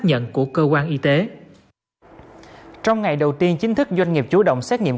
nhận của cơ quan y tế trong ngày đầu tiên chính thức doanh nghiệp chủ động xét nghiệm